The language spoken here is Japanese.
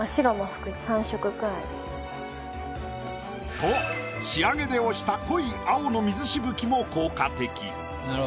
と仕上げで押した濃い青の水しぶきも効果的。